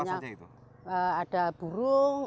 misalnya ada burung